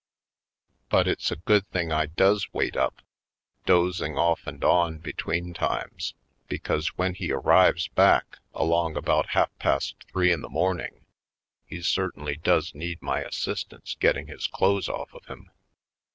But it's a good thing I 60 /, Poindexter^ Colored does wait up, dozing off and on between times, because when he arrives back, along about half past three in the morning, he cer tainly does need my assistance getting his clothes off of him.